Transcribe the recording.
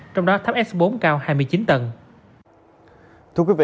trong đó thắp s bốn cao hai mươi chín tầng